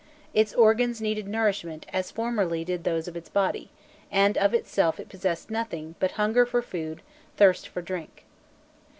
Its organs needed nourishment as formerly did those of its body, and of itself it possessed nothing "but hunger for food, thirst for drink."